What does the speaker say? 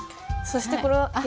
そしてこれは。